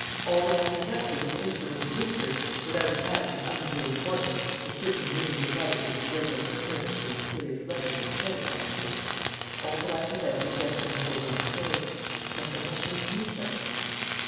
All that I possess as an instrument of research, without attaching undue importance to certain gleams of light which the regular appearance of the mysterious letters has shed upon the case, all that I possess is Gaston Sauverand's story. Must I not make use of it?"